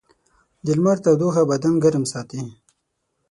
د لمر تودوخه بدن ګرم ساتي.